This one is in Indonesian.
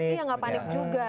iya nggak panik juga